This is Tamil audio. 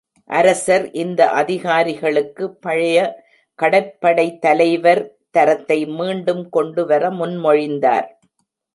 அரசர், இந்த அதிகாரிகளுக்கு பழைய "கடற்படை தலைவர்" தரத்தை மீண்டும் கொண்டு வர முன்மொழிந்தார்.